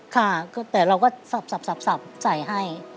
ค่ะแต่เราก็สับใส่ให้